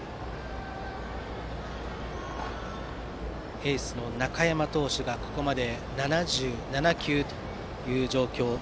エースの中山投手がここまで７７球という状況。